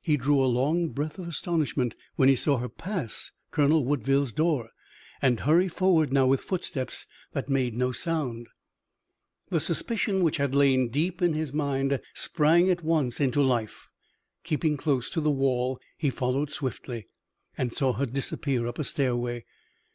He drew a long breath of astonishment when he saw her pass Colonel Woodville's door, and hurry forward now with footsteps that made no sound. The suspicion which had lain deep in his mind sprang at once into life. Keeping close to the wall, he followed swiftly and saw her disappear up a stairway.